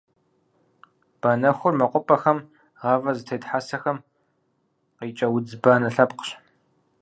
Банэхур мэкъупӏэхэм, гъавэ зытет хьэсэхэм къикӏэ удз банэ лъэпкъщ.